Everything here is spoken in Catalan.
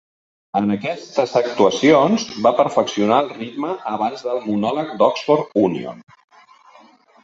En aquestes actuacions va perfeccionar el ritme abans del monòleg d'Oxford Union.